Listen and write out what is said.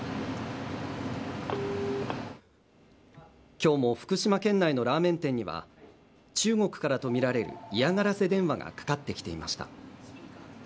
きょうの福島県内のラーメン店には、中国からと見られる嫌がらせ電話がかかってきていました。